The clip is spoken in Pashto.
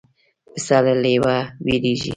پسه له لېوه وېرېږي.